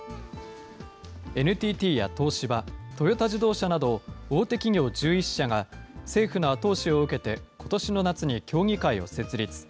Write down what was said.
ＮＴＴや東芝、トヨタ自動車など、大手企業１１社が政府の後押しを受けて、ことしの夏に協議会を設立。